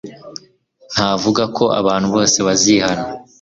Ntavuga ko abantu bose bazihana,